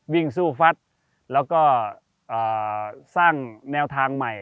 วิ่งสุฟัตและสร้างแนวทางใหม่